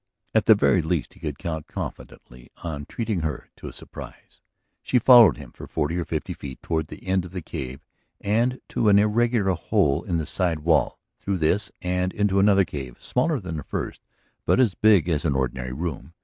At the very least he could count confidently on treating her to a surprise. She followed him for forty or fifty feet toward the end of the cave and to an irregular hole in the side wall, through this, and into another cave, smaller than the first, but as big as an ordinary room.